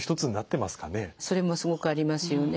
それもすごくありますよね。